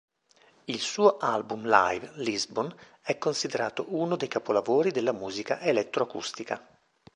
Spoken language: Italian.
Il suo album live "Lisbon" è considerato uno dei capolavori della musica elettroacustica.